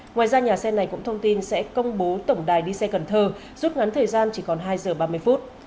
ngoài ra nhà xe này cũng thông tin sẽ công bố tổng đài đi xe cần thơ rút ngắn thời gian chỉ còn hai giờ ba mươi phút